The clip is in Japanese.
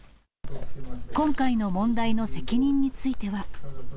今回の問題の責任については。